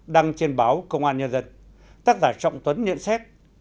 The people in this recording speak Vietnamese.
đăng trên báo công an nhân dân tác giả trọng tuấn nhận xét